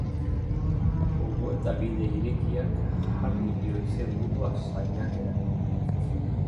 Gogoeta-bide irekiak jarri dio izenburua saiakerari.